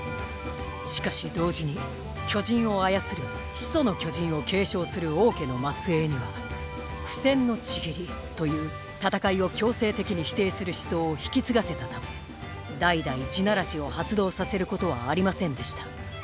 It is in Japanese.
しかし同時に巨人を操る「始祖の巨人」を継承する王家の末裔には「不戦の契り」という戦いを強制的に否定する思想を引き継がせたため代々「地鳴らし」を発動させることはありませんでした。